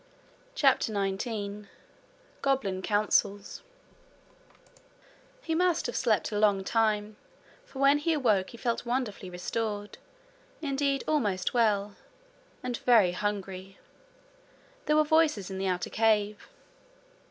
CHAPTER 19 Goblin Counsels He must have slept a long time, for when he awoke he felt wonderfully restored indeed almost well and very hungry. There were voices in the outer cave.